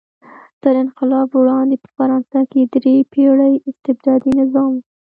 تر انقلاب وړاندې په فرانسه کې درې پېړۍ استبدادي نظام و.